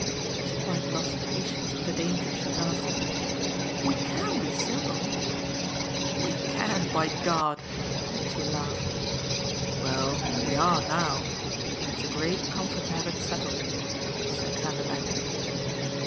She quite lost patience with the danger she glanced at. "We CAN be simple!" "We CAN, by God!" Mitchy laughed. "Well, we are now and it's a great comfort to have it settled," said Vanderbank.